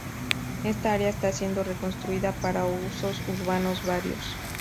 Esta área está siendo reconstruida para usos urbanos varios.